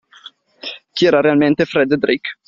Chi era realmente Fred Drake?